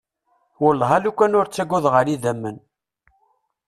Wellah alukan ur ttagadeɣ ara idamen.